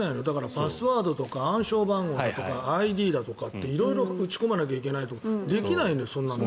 パスワードとか暗証番号だとかＩＤとか色々打ち込まないといけないとできないのよ、そんなの。